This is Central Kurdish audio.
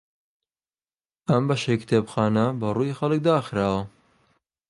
ئەم بەشەی کتێبخانە بەڕووی خەڵک داخراوە.